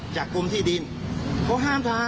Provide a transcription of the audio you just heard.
จากกรมที่ดินเขาห้ามทำ